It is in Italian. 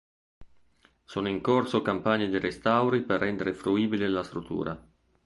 Sono in corso campagne di restauri per rendere fruibile la struttura.